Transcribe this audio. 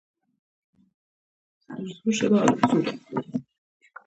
کچالو په خټه کې ښه وده کوي